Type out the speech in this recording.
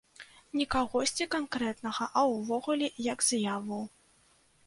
Не кагосьці канкрэтнага, а ўвогуле як з'яву.